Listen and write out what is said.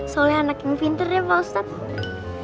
soleh anak yang pintar ya pak ustadz